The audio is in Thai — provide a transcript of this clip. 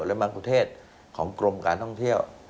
หรือบางประเทศของกรมการท่องเที่ยว